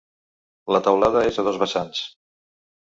La teulada és a dos vessants.